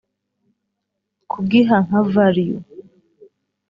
kugiha nka value